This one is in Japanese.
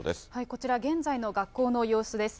こちら、現在の学校の様子です。